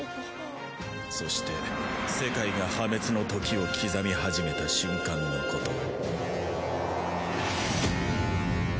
そして世界が破滅の時を刻み始めた瞬間のことを。